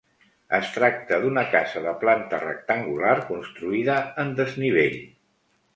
Es tracta d'una casa de planta rectangular construïda en desnivell.